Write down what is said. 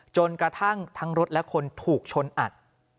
จนกระทั่งทั้งรถและคนถูกชนอัด